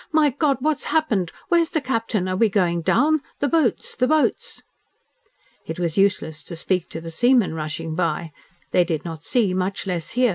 "My God! what's happened? Where's the Captain! Are we going down! The boats! The boats!" It was useless to speak to the seamen rushing by. They did not see, much less hear!